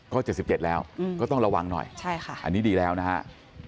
ก็๗๗แล้วก็ต้องระวังหน่อยอันนี้ดีแล้วนะฮะ